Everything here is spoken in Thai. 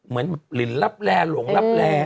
เหมือนลินรับแร่หลวงรับแร่